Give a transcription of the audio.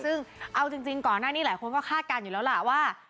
ซึ่งเอาจริงก่อนหน้านี้หลายคนก็คาดการณ์อยู่แล้วล่ะว่า